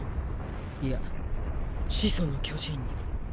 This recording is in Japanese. いや始祖の巨人に。